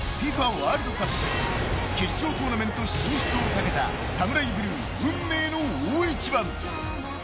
ワールドカップ決勝トーナメント進出をかけたサムライブルー、運命の大一番。